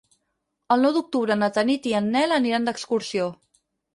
El nou d'octubre na Tanit i en Nel aniran d'excursió.